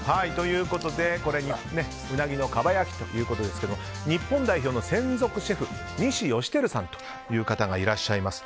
ウナギのかば焼きということですけど日本代表の専属シェフ西芳照さんという方がいらっしゃいます。